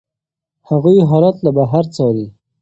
هغوی حالات له بهر څاري.